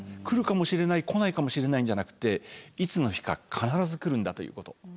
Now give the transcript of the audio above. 来るかもしれない来ないかもしれないんじゃなくていつの日か必ず来るんだということ。